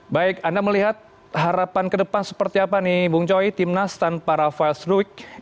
baik anda melihat harapan ke depan seperti apa nih bung joy tim nas tanpa rafael struik